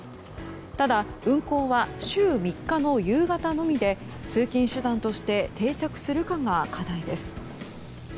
ただ運航は週３日の夕方のみで通勤手段として定着するかが課題です。